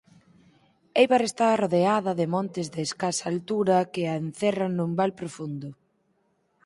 Eibar está rodeada de montes de escasa altura que a encerran nun val profundo.